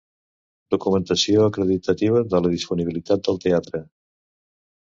Documentació acreditativa de la disponibilitat del teatre.